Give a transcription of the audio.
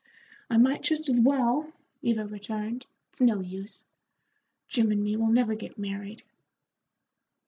"I might jest as well," Eva returned. "It's no use, Jim and me will never get married."